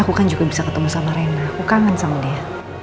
aku kan juga bisa ketemu sama rena aku kangen sama dia